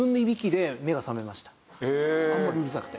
あんまりうるさくて。